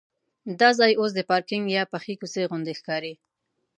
دا ځای اوس د پارکینک یا پخې کوڅې غوندې ښکاري.